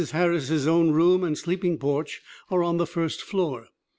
Harris's own room and sleeping porch are on the first floor.